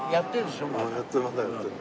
やってるまだやってる。